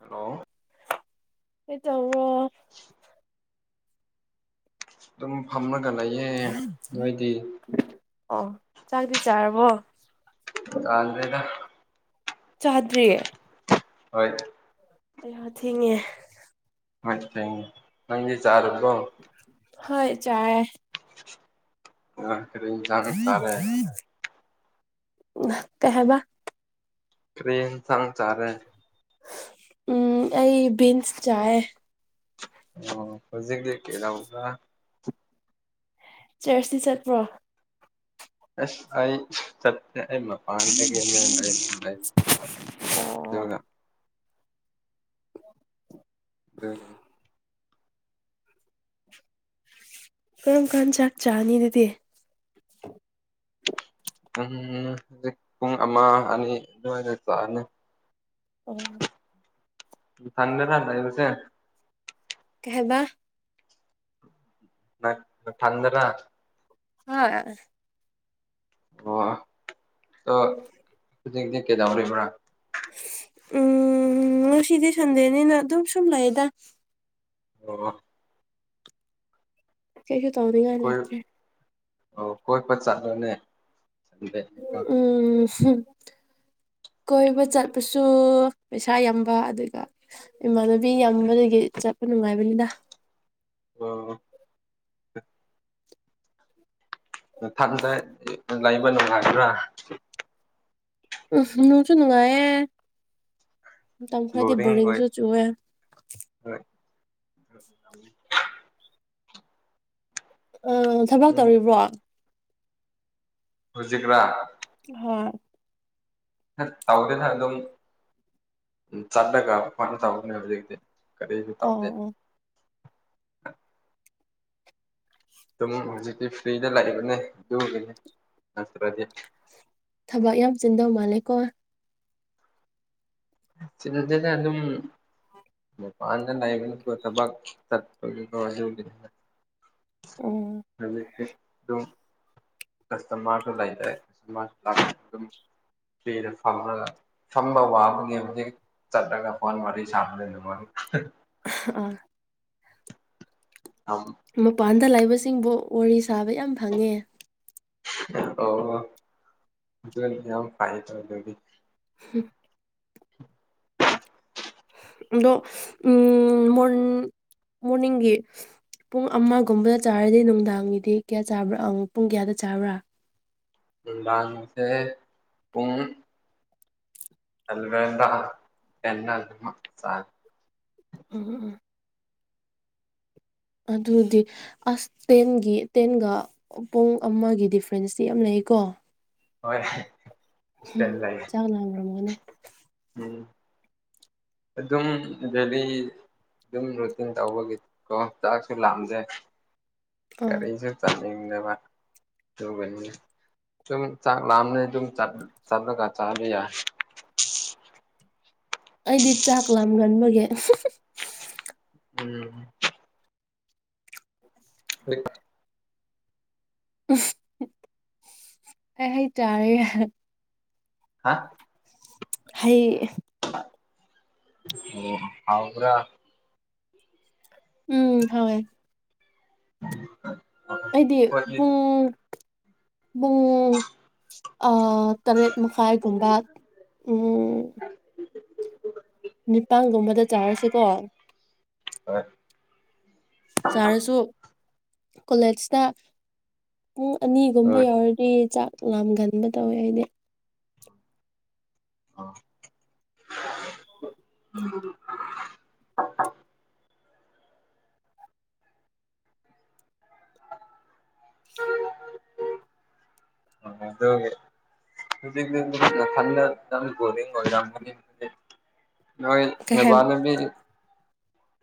hello ꯍ ꯇ ꯑꯗꯨꯝ ꯐꯝꯃꯒ ꯂꯩꯌꯦ ꯅꯣꯏꯗꯤ ꯑꯣ ꯆꯥꯛꯗꯤꯤ ꯆꯥꯔꯕꯣ ꯀꯥꯜꯗꯦꯗ ꯆꯥꯗ꯭ꯔꯤꯌꯦ ꯍ ꯑꯩꯍ ꯊꯦꯡꯉꯦ ꯃ ꯅꯪꯗꯤ ꯆꯔꯔꯕꯣ ꯍꯣꯏ ꯆꯥꯏ ꯑ ꯈꯔ ꯏꯁꯅꯤ ꯇꯥꯔꯦ ꯀꯕ ꯀꯔꯤꯟ ꯊꯪ ꯆꯥꯔꯦ ꯎꯝ ꯑꯩ ꯕꯤꯟꯁ ꯆꯥꯌꯦ ꯑꯣ ꯍꯧꯖꯤꯛꯗꯤ ꯀꯦꯔꯕ ꯆꯔꯆꯇꯤ ꯆꯠꯄ꯭ꯔꯣ ꯑꯁ ꯑꯩ ꯆ ꯃꯄꯥꯟ ꯑꯣ ꯉ ꯅꯤ ꯀꯔꯝ ꯀꯥꯟ ꯆꯥꯛ ꯆꯥꯅꯤ ꯑꯗꯨꯗꯤ ꯎꯝ ꯎ ꯍꯧꯖꯤꯛ ꯄꯨꯡ ꯑꯃ ꯑꯅꯤ ꯑꯗꯨꯋꯥꯏꯗ ꯆꯥꯛꯑꯅꯤ ꯎꯝ ꯊꯅꯔꯅꯏ ꯇꯁꯦ ꯀꯍꯕꯥ ꯄꯗ꯭ꯔ ꯍ ꯑꯣ ꯍꯧꯖꯤꯛꯗꯤꯛ ꯀꯩꯗꯥꯎ ꯂꯩꯕ꯭ꯔꯥ ꯎꯝ ꯉꯁꯤꯗꯤ ꯁꯟꯗꯦꯅꯤꯅ ꯑꯗꯨꯝ ꯁꯨꯝ ꯂꯩꯥꯛꯗ ꯑꯣ ꯀꯩꯁꯨ ꯇꯧꯅꯤꯡꯉꯥꯏ ꯀꯣꯏ ꯂꯩꯇ꯭ꯔꯦ ꯑꯣ ꯍꯣꯏ ꯄꯣꯏ ꯆꯠꯂꯣꯅꯦ ꯆꯠꯗꯅꯦꯗ ꯎꯝ ꯀꯣꯏꯕ ꯆꯠꯄꯁꯨ ꯄꯩꯁꯥ ꯌꯥꯝꯕ ꯑꯗꯨꯒ ꯏꯃꯥꯟꯅꯕꯤ ꯌꯥꯝꯕꯗꯒꯤ ꯆꯠꯄ ꯅꯨꯡꯉꯥꯏꯕꯅꯤꯗ ꯑ ꯊꯠꯅ ꯂꯩꯕ ꯅꯨꯡꯉꯥꯏꯇ꯭ꯔꯥ ꯑ ꯅꯁꯨꯅꯅꯨꯡꯉ ꯃꯇꯝ ꯈꯔꯗꯤ ꯕꯣꯔꯤꯡ ꯑꯣꯏ ꯕꯣꯔꯤꯡꯁꯨ ꯆꯨꯑꯦ ꯍꯣꯏ [unintelligible] ꯑ ꯊꯕꯛ ꯎꯝ ꯇꯧꯔꯤꯕ꯭ꯔꯣ ꯍꯧꯖꯤꯛ꯭ꯔꯥ ꯍ ꯇꯥꯥꯎꯗꯦ ꯊ ꯑꯗꯨꯝ ꯆꯠ ꯇꯀ ꯐꯅ ꯇꯥꯕꯛꯅꯦ ꯍꯥꯏ ꯀꯦꯁꯨ ꯑꯣ ꯇꯗꯦ ꯑꯣ ꯁꯨꯝ ꯍꯧꯖꯤꯛꯇꯤ ꯐ꯭ꯔꯤꯗ ꯂꯥꯛꯏꯕꯅꯦ ꯑꯗꯨꯒꯤꯅꯤ ꯅꯠꯇ꯭ꯔꯗꯤ ꯊꯕꯛ ꯌꯥꯝ ꯆꯤꯟꯗꯧ ꯃꯥꯜꯂꯦ ꯀꯣ ꯁꯤꯗꯗꯗ ꯑꯗꯨꯝ ꯃ ꯄꯥꯟꯗ ꯂꯥꯏꯕ ꯊꯕ ꯇꯄꯖ ꯎꯝ ꯑꯗꯨꯣ ꯀꯁꯇ ꯃꯥꯁꯨꯣꯂꯗꯦ ꯐꯗ ꯐꯉꯒ ꯁꯝꯕ ꯋꯥꯕꯒꯤ ꯍꯧꯖꯤꯛ ꯆꯠ ꯇꯀ ꯐꯣꯟ ꯃ ꯁꯝꯗ ꯅꯃꯅꯤ ꯑꯥ ꯃꯄꯥꯟꯗ ꯂꯩꯕꯁꯤꯡꯕꯨ ꯋꯥꯔꯤ ꯁꯥꯕ ꯌꯥꯝ ꯐꯪꯉꯦ ꯑ ꯑꯗꯨ ꯌꯥꯝ ꯐ ꯇꯗꯤ [unintelligible] ꯑꯗꯣ ꯎꯝ ꯃꯣꯔ ꯃꯣꯔꯅꯤꯡꯒꯤ ꯄꯨꯡ ꯑꯃꯒꯨꯝꯕꯗ ꯆꯥꯔꯗꯤ ꯅꯨꯡꯗꯥꯡꯒꯤꯗꯤ ꯀꯌꯥ ꯆꯥꯕ꯭ꯔꯥ ꯄꯨꯡ ꯀꯌꯥꯗ ꯆꯥꯕ꯭ꯔꯥ ꯎ ꯗꯥꯥꯟꯁꯦ ꯄꯨꯡ ꯑꯜꯋꯦꯟꯗꯃ ꯁꯥꯔ ꯎ ꯑꯗꯨꯗꯤ ꯑꯥꯁ ꯇꯦꯟꯒꯤ ꯇꯦꯟꯒ ꯄꯨꯡ ꯑꯃꯒꯤ ꯗꯤꯐ꯭ꯔꯦꯟꯁꯇꯤ ꯌꯥꯝ ꯂꯩ ꯄꯀꯣ ꯍ ꯎꯝ ꯆꯥꯡ ꯂꯥꯡꯔꯝꯒꯅꯦ ꯑꯗꯨꯝ ꯗꯦꯜꯂꯤ ꯑꯗꯨꯝ ꯔꯨꯇꯤꯟ ꯇꯧꯕꯒꯤ ꯀ ꯆꯥꯛꯁꯨ ꯂꯥꯝꯖꯩ ꯑꯥ ꯀꯔꯤꯁꯨ ꯊꯦꯡꯗꯅꯕ ꯇꯧꯕꯅꯤꯅꯦ ꯑꯗꯨꯨꯝ ꯆꯥꯛ ꯂꯥꯑꯝꯅꯤ ꯑꯗꯨꯨꯝ ꯆꯠꯂꯒ ꯆꯥꯕꯤ ꯌꯥ ꯑꯩꯗꯤ ꯆꯥꯛ ꯂꯥꯝ ꯉꯟꯕꯒꯦ ꯎꯝ ꯍ ꯑꯦ ꯇꯔꯦ ꯍꯥ ꯍꯩ ꯑꯣ ꯍꯥꯎ꯭ꯔ ꯎꯝ ꯍ ꯎ ꯐ ꯑꯩꯗꯤꯨꯡ ꯄ ꯑ ꯇꯔꯦꯠ ꯃꯈꯥꯏꯒꯨꯝꯕ ꯎ ꯅꯤꯄꯥꯟꯒꯨꯝꯕꯗ ꯆꯥꯔꯁꯤꯀꯣ ꯍ ꯁꯥꯔꯁꯨ ꯀꯣꯂꯦꯖꯇ ꯄꯨꯡ ꯑꯅꯤꯒꯨꯝꯕ ꯍꯣꯏ ꯌꯥꯎꯔꯗꯤ ꯆꯥꯛ ꯂꯥꯝꯒꯟꯕ ꯇꯧꯋꯦ ꯍꯥꯏꯗꯤ [inaudible] ꯎ ꯑ ꯑꯣꯦ ꯑꯗꯨ ꯊꯔꯤ ꯅꯣꯏ ꯀꯩ ꯍꯥꯏ ꯃꯕꯥꯅꯕꯤ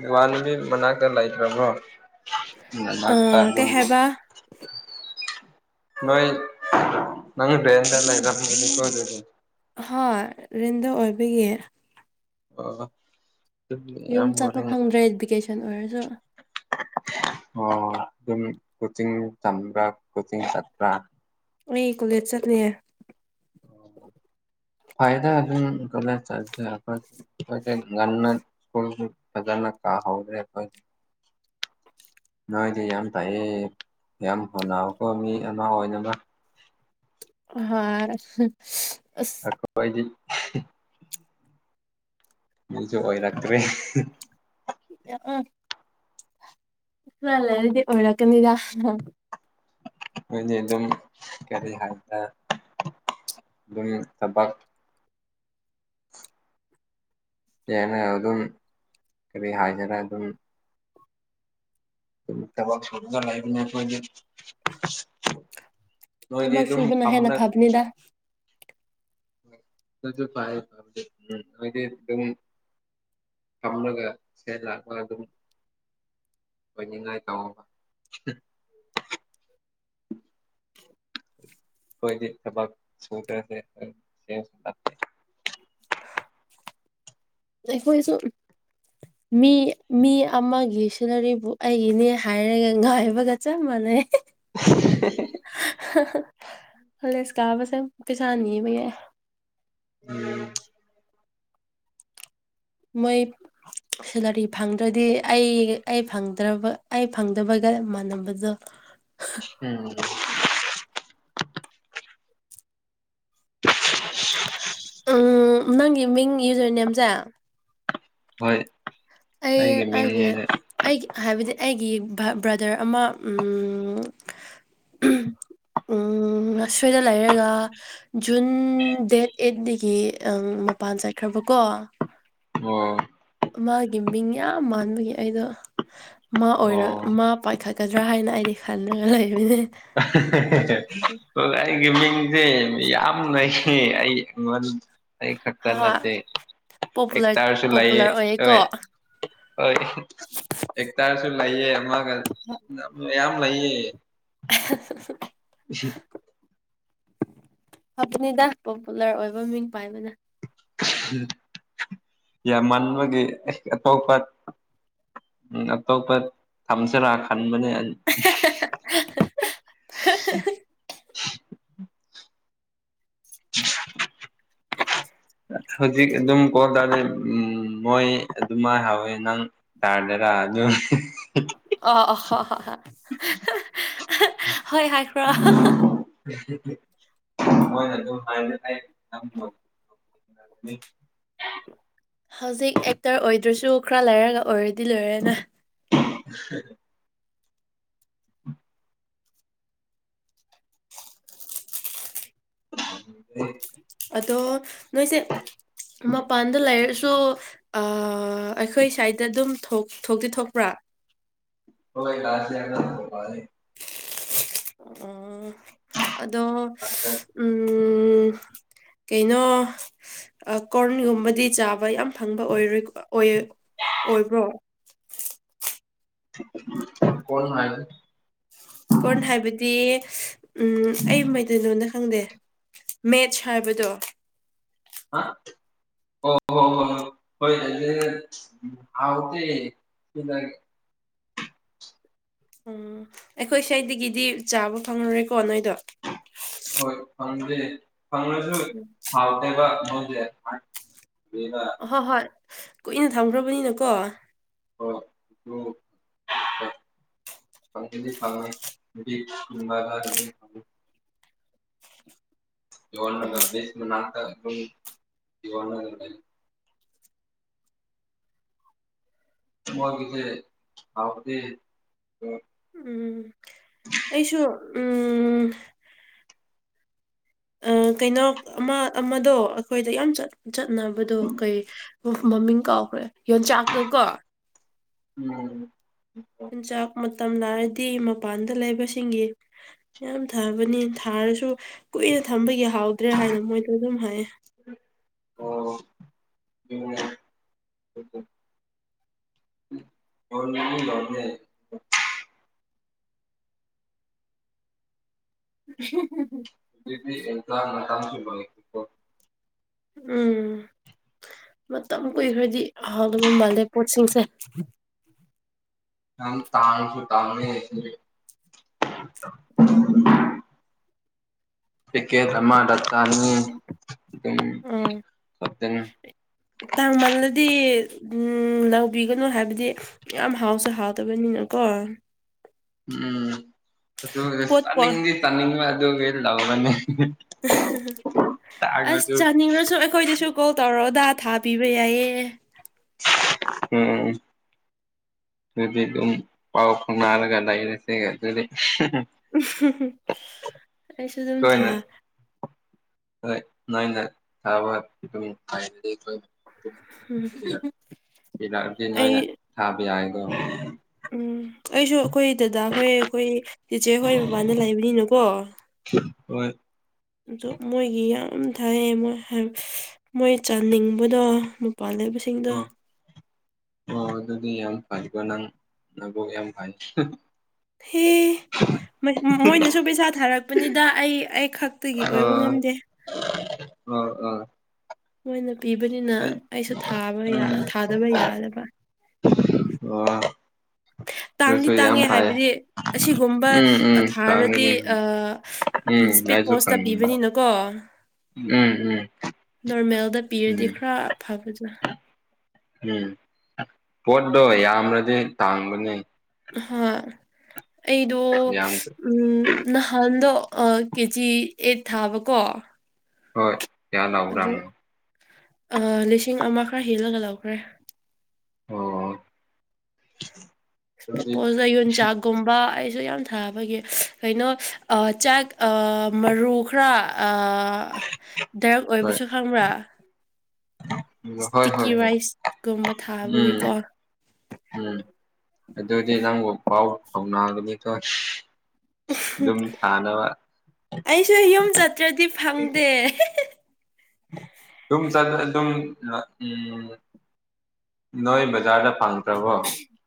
ꯃꯕꯥꯅꯕꯤ ꯃꯅꯥꯛꯇ ꯂꯩꯈ꯭ꯔꯕ꯭ꯔꯣ ꯃꯃ ꯑ ꯀꯔꯗ ꯀꯩ ꯍꯥꯏꯕ ꯅꯣꯏ ꯅꯪꯗꯗ ꯂꯩꯗꯦ ꯍꯥ ꯔꯤꯟꯗ ꯑꯣꯏꯕꯒꯤ ꯑ ꯌꯨꯝ ꯆꯠꯄ ꯐꯪꯗ꯭ꯔꯦ ꯚꯦꯀꯦꯁꯟ ꯑꯣꯏꯔꯁꯨ ꯑꯣ ꯑꯗꯨꯝ ꯀꯣꯆꯤꯡ ꯇꯝꯕ꯭ꯔꯥ ꯀꯣꯆꯤꯡ ꯆꯠꯄ꯭ꯔꯥ ꯑꯩ ꯀꯣꯂꯦꯖ ꯆꯠꯂꯦ ꯎꯝ ꯐꯗ ꯑ ꯀ ꯆ ꯀꯥ ꯍꯧꯔꯦ ꯅꯣꯏꯗꯤ ꯌꯥꯝ ꯇꯥꯏꯑꯦ ꯌꯥꯝ ꯍꯣꯟꯟꯅꯀꯣ ꯃꯤ ꯑꯃ ꯑꯣꯏꯅꯕ ꯍꯥ ꯑꯈꯣꯗꯤ ꯃꯤꯁꯨ ꯑꯣꯏꯔꯛꯇ꯭ꯔꯦ ꯑꯥ ꯗꯤ ꯑꯣꯂꯀꯅꯤꯗꯥ ꯃꯣꯏꯗꯤ ꯑꯗꯨꯝ ꯀꯔꯤ ꯍꯥꯏꯗ ꯑꯗꯨꯝ ꯊꯕꯥꯛ [inaudible] ꯌꯥꯅ ꯑꯗꯨꯝ ꯀꯔꯤ ꯍꯥꯏꯁꯤꯔꯦ ꯑꯗꯨꯝ ꯇꯕ ꯊꯗ ꯂꯥꯏꯕꯅꯦ ꯑꯣꯏꯣꯏꯗꯦ ꯅꯣꯏꯗꯤ ꯊꯕꯛ ꯑꯗꯨꯝ ꯁꯨꯕꯅ ꯍꯦꯟꯅ ꯊꯝꯅ ꯐꯕꯅꯤꯗ ꯁꯨ ꯐꯥꯏꯦ ꯐꯗꯤꯝ ꯐꯝꯂꯒ ꯁꯔꯥꯛꯂ ꯑꯗꯨꯝ ꯑꯩꯣꯏꯅꯤꯉꯥꯏ ꯀꯃ [inaudible] ꯀꯣꯏꯗꯤ ꯊꯕꯥ ꯁꯨ ꯇ꯭ꯔꯁ ꯑꯩꯈꯣꯏꯁꯨꯣ ꯃꯤ ꯃꯤ ꯑꯃꯒꯤ ꯁꯤꯅꯔꯤꯕꯨ ꯑꯩꯒꯤꯅꯦ ꯍꯥꯏꯔꯒ ꯉꯥꯏꯕꯒ ꯆꯞ ꯃꯥꯟꯅꯩ ꯍ ꯍꯂꯦ ꯏꯁꯀꯥꯕꯁꯦ ꯄꯩꯁꯥꯅꯤꯕꯩ ꯌꯥ ꯎꯝ ꯃꯣꯏ ꯁꯦꯂꯔꯤ ꯐꯪꯗ꯭ꯔꯗꯤ ꯑꯩ ꯐꯪꯗ꯭ꯔ ꯑꯩ ꯐꯪꯗꯕꯒꯤ ꯃꯥꯟꯅꯅꯕꯗꯣ ꯎꯝ ꯅꯪꯒꯤ ꯃꯤꯡ ꯌꯨꯖꯣꯏ ꯅꯦꯝꯁꯦ ꯍꯣꯏ ꯑꯩ ꯑꯩꯒꯤ ꯍꯥꯏꯦ ꯃꯤꯡꯅꯦꯅ ꯑꯩꯒꯤ ꯍꯥꯏꯕꯗꯤ ꯑꯩꯒꯤ ꯕ꯭ꯔꯗꯔ ꯑꯃ ꯎꯝꯁꯣꯏꯗ ꯂꯩꯔꯒ ꯖꯨꯟ ꯗꯦꯠ ꯑꯩꯠꯇꯗꯒꯤ ꯃꯄꯥꯟ ꯆꯠꯈ꯭ꯔꯕ ꯀꯣ ꯑꯣ ꯃꯥꯒꯤ ꯃꯤꯡ ꯌꯥꯝ ꯃꯥꯟꯕꯒꯤ ꯑꯩꯗꯣ ꯃꯥ ꯑꯣ ꯑꯣꯏꯔ ꯃꯥ ꯄꯥꯏꯈꯠꯀꯗ꯭ꯔꯥ ꯍꯥꯏꯅ ꯑꯥꯏꯗꯤ ꯈꯥꯟꯗꯉ ꯂꯩꯅꯦ ꯒꯦꯃꯤ ꯁꯦ ꯌꯥꯝꯅꯩꯌꯦ ꯑꯩ ꯑꯩ ꯈꯛꯇ ꯍꯣꯏ ꯅꯠꯇꯦ ꯄꯣꯄꯨꯂꯔ ꯑꯦꯛꯇꯥꯔꯁꯨ ꯂꯩꯌꯦ ꯄꯣꯄꯨꯂꯔ ꯑꯣꯏꯌꯦꯀꯣ ꯍꯣꯏ ꯍꯣꯏ ꯑꯦ ꯇꯔꯁꯨ ꯂꯥꯏꯌꯦꯦ ꯑꯒ ꯃꯌꯥꯝ ꯌꯥꯝ ꯂꯩꯌꯦ [unintelligible] ꯁꯤ ꯑꯗꯨꯕꯅꯤꯗ ꯄꯣꯄꯨꯂꯔ ꯑꯣꯏꯕ ꯃꯤꯡ ꯄꯥꯏꯕꯅ ꯌꯥꯝ ꯃꯟꯥꯟꯕꯒꯤ ꯑꯇꯣꯞꯄ ꯎꯝ ꯑꯇꯣꯞꯄ ꯊꯝꯖꯔ ꯈꯔ ꯃ [unintelligible] ꯍꯧꯖꯤꯛ ꯑꯗꯨꯝ ꯀꯣ ꯇꯥꯔꯗꯤ ꯃꯣꯏ ꯑꯗꯨꯃꯥꯏ ꯍꯥꯎꯋꯦ ꯅꯪ ꯇꯥꯗꯔꯥ ꯑ ꯌꯣꯟ ꯑꯣ ꯑ ꯍꯣꯏ ꯍꯥꯏꯈ꯭ꯔꯣ ꯃꯣꯏꯅ ꯑꯗꯨꯝ ꯍꯥꯏꯥꯟꯅꯪ [unintelligible] ꯍꯧꯖꯤꯛ ꯑꯦꯛꯇꯔ ꯑꯣꯏꯗ꯭ꯔꯁꯨ ꯈꯔ ꯂꯩꯥꯏꯔꯒ ꯑꯣꯏꯔꯗꯤ ꯂꯣꯏꯔꯦꯅ [unintelligible] ꯎ [unintelligible] ꯑꯗꯣ ꯅꯣꯏꯁꯦ ꯃꯄꯥꯟꯗ ꯂꯩꯔꯁꯨ ꯑ ꯑꯩꯈꯣꯏ ꯁꯥꯏꯗ ꯑꯗꯨꯝ ꯊꯣꯛꯇꯤ ꯊꯣꯛꯄ꯭ꯔꯥ ꯍ ꯀꯥꯁ ꯌꯥꯒꯔꯦ ꯎꯝ ꯑꯗꯣ ꯎꯝ ꯀꯩꯅꯣ ꯀꯣꯔꯟꯒꯨꯝꯕꯗꯤ ꯆꯥꯕ ꯌꯥꯝ ꯐꯪꯕ ꯑꯣꯏꯔꯣꯏ ꯑꯣꯏ ꯑꯣꯏꯕ꯭ꯔꯣ ꯀꯣꯟ ꯍꯥꯏ ꯀꯣꯟꯅ ꯍꯥꯏꯕꯗꯤ ꯎꯝ ꯑꯩ ꯃꯩꯇꯩꯅꯣꯗ ꯈꯪꯗꯦ ꯃꯦꯠꯁ ꯍꯥꯏꯕꯗꯣ ꯑ ꯑꯣ ꯍꯣ ꯍ ꯍꯣꯏꯥꯎ ꯁꯤꯉ ꯎꯝ ꯑꯩꯈꯣꯏ ꯁ꯭ꯋꯥꯗꯒꯤꯗꯤ ꯆꯥꯕ ꯐꯪꯂꯉꯨꯔꯦꯀꯣ ꯅꯣꯏꯗꯣ ꯐꯪꯁꯨ ꯍꯥꯎꯗꯕ ꯃꯗ ꯍꯣꯏ ꯍꯣꯏ ꯀꯨꯏꯅ ꯊꯝꯈ꯭ꯔꯕꯅꯤꯅꯀꯣ ꯍꯣꯏ ꯑꯗꯨ [unintelligible] [unintelligible] ꯏꯁꯅꯥ ꯎꯝ ꯏ ꯋꯥ ꯃ ꯀꯦ ꯊꯕꯗꯤ ꯎꯝ ꯑꯩꯁꯨ ꯎꯝ ꯑ ꯀꯩꯅꯣ ꯑꯃ ꯑꯃꯗꯣ ꯑꯩꯈꯣꯏꯗ ꯌꯥꯝ ꯆꯠꯅꯕꯗꯣ ꯀꯩ ꯃꯃꯤꯡ ꯀꯥꯎ ꯍꯣꯏ ꯌꯣꯟꯆꯥꯛꯇꯣ ꯀꯣ ꯎꯝ ꯍꯤꯟ ꯆꯥꯛ ꯃ ꯃꯇꯝꯅ ꯗꯤ ꯃꯄꯥꯟꯗ ꯂꯩꯕꯁꯤꯡꯒꯤ ꯌꯥꯝ ꯊꯕꯅꯤ ꯊꯥꯔꯁꯨ ꯀꯨꯏꯅ ꯊꯝꯕꯒꯤ ꯐꯥꯎꯗ꯭ꯔꯦ ꯍꯥꯏꯅ ꯃꯣꯏꯗ ꯑꯗꯨꯝ ꯍꯥꯏꯌꯦ ꯎꯝ [unintelligible] ꯍ ꯌꯥꯗ ꯍ ꯗꯤ ꯃꯇꯥꯡꯁꯨꯕꯅꯤꯣ ꯎꯝ ꯃꯇꯝ ꯀꯨꯏꯈ꯭ꯔꯗꯤ ꯍꯥꯎꯗꯕ ꯃꯥꯜꯂꯦ ꯄꯣꯠꯁꯤꯡꯁꯦ ꯑ ꯇꯥꯅꯁꯨ ꯇꯥ ꯀꯦ ꯇꯃ ꯗꯠꯇꯥꯅꯤꯇ ꯇꯃꯂꯗꯤ ꯎꯝ ꯂꯧꯕꯤꯒꯅꯨ ꯍꯥꯏꯕꯗꯤ ꯌꯥꯝ ꯍꯥꯎꯁꯨ ꯍꯥꯎꯗꯕꯅꯤꯅꯀꯣ ꯎꯝ ꯑꯗꯨ ꯄꯣꯠ ꯄꯣ ꯇꯥꯅꯤꯡꯗꯤ ꯇꯥꯅꯤꯡꯕ ꯑꯗꯨꯒꯤ ꯂꯧꯔꯅꯤ ꯑꯁ ꯇꯥꯡꯉꯁꯨ ꯆꯥꯅꯤꯡꯉꯁꯨ ꯑꯩꯈꯣꯏꯗꯁꯨ ꯀꯣꯜ ꯇꯧꯔꯛꯑꯣꯗꯥ ꯊꯥꯕꯤꯕ ꯌꯥꯏꯌꯦꯦ ꯑꯦ ꯑꯗꯨꯗꯤ ꯑꯗꯨꯝ ꯄꯥꯎ ꯐꯥꯎꯅꯔꯒ ꯂꯩꯔꯁꯦ ꯑꯗꯨꯗꯤ ꯑꯩꯁꯨ ꯑꯗꯨꯝ ꯊꯥ ꯅ ꯅ ꯊꯕ ꯎꯝ ꯔꯥꯛꯗꯤ ꯑꯩ ꯅꯣꯏꯅ ꯊꯥꯕ ꯌꯥꯏꯀꯣ ꯎꯝ ꯑꯩꯁꯨ ꯑꯩꯈꯣꯏ ꯗꯗꯥ ꯍꯣꯏ ꯑꯩꯈꯣꯏ ꯇꯤꯆꯦ ꯍꯣꯏ ꯃꯄꯥꯟꯗ ꯂꯩꯕꯅꯤꯅꯀꯣ ꯍꯣꯏ ꯑ ꯃꯣꯏꯒꯤ ꯌꯥꯝ ꯊꯥꯏꯌꯦꯣꯏ ꯃꯣꯏ ꯆꯥꯅꯤꯡꯕꯗꯣ ꯄꯥꯜꯂꯤꯕꯁꯤꯡꯗ ꯍ ꯑꯗꯨꯗꯤ ꯌꯥꯝ ꯐꯩꯀꯣ ꯅꯪ ꯅꯕꯨꯣꯛ ꯌꯥꯝ ꯐꯩ ꯍꯦ ꯃꯣꯏꯅꯁꯨ ꯄꯩꯁꯥ ꯊꯥꯔꯛꯄꯅꯤꯗ ꯑꯩ ꯑꯩ ꯈꯛꯇꯒꯤ ꯑꯣꯏꯕ ꯑꯣ ꯉꯝꯗꯦ ꯑꯣ ꯑꯣ ꯍꯣꯏꯅ ꯄꯤꯕꯅꯤꯅ ꯑꯩ ꯑꯩꯁꯨ ꯊꯥꯕ ꯎꯝ ꯊꯥꯗꯕ ꯌꯥꯗꯕ ꯑꯣ ꯍ ꯇꯥꯡꯗꯤ ꯑꯗꯨꯁꯨ ꯌꯥꯝ ꯇꯥꯡꯉꯦ ꯐꯩ ꯍꯥꯏꯕꯗꯤ ꯑꯁꯤꯒꯨꯝꯕ ꯎꯝ ꯎꯝ ꯊꯥꯔꯗꯤ ꯇꯥꯡꯒꯅꯤ ꯎꯝ ꯑꯩꯁꯨ ꯄꯣꯁꯇ ꯈꯪꯉꯤ ꯄꯤꯕꯅꯤꯅꯀꯣ ꯎꯝ ꯎꯝ ꯑꯗꯨꯗ ꯎꯝ ꯄꯤꯔꯗꯤ ꯈꯔ ꯐꯕꯖꯥ ꯎꯝ ꯄꯣꯠꯇꯣ ꯌꯥꯝꯅꯗꯤ ꯇꯥꯡꯕꯅꯤ ꯍꯣꯏ ꯑꯩꯗꯣ ꯌꯥꯝ ꯎꯝ ꯅꯍꯥꯟꯗꯣ ꯑ ꯀꯦꯖꯤ ꯑꯦꯠ ꯊꯥꯕꯀꯣ ꯍꯣꯏ ꯀꯌꯥ ꯂꯧꯕ꯭ꯔꯥ ꯑꯃꯨꯛ ꯑ ꯂꯤꯁꯤꯡ ꯑꯃ ꯈꯔ ꯍꯦꯜꯂꯒ ꯂꯧꯈ꯭ꯔꯦ ꯑꯣ ꯍꯧꯖꯤꯛ ꯛꯄꯣꯁꯗ ꯌꯣꯟꯆꯥꯛꯒꯨꯝꯕ ꯑꯩꯁꯨ ꯌꯥꯝ ꯊ ꯀꯩꯅꯣ ꯆ ꯃꯔꯨ ꯈꯔ ꯑ ꯗꯥꯏꯔꯦꯛ ꯍꯣꯏ ꯑꯣꯏꯕꯁꯨ ꯈꯪꯕ꯭ꯔꯥ ꯍꯣꯏ ꯏꯁꯇꯤꯀꯤ ꯍꯣꯏ ꯍ ꯔꯥꯏꯁꯀꯨꯝꯕ ꯎꯝ ꯊꯥꯕꯒꯤꯀꯣ ꯎꯝ ꯑꯗꯨꯗꯤ ꯅꯪꯕꯨ ꯄꯥꯎ ꯐꯥꯎꯅꯒꯅꯤ ꯊꯣ ꯑꯩꯁꯨ ꯌꯨꯝ ꯆꯠꯇ꯭ꯔꯗꯤ ꯐꯪꯗꯦ ꯆ ꯑꯗꯨ ꯎꯝ ꯅꯕꯖꯔꯗ ꯐꯪꯗ꯭ꯔꯕꯣ